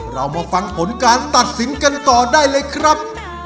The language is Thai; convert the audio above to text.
เรามาฟังผลการตัดสินกันต่อได้เลยครับ